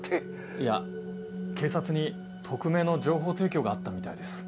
いや警察に匿名の情報提供があったみたいです。